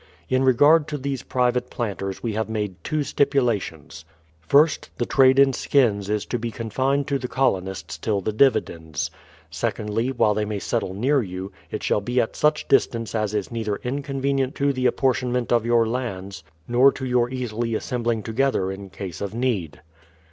In regard to these private planters we have made two stipulations; THE PLYIMOUTH SETTLEMENT 123 First, the trade in skins is to be confined to the colonists till the dividends ; secondly, while they may settle near yon, it shall be at such distance as is neither inconvenient to the apportionment of your lands, nor to your easily assembling together in case of need.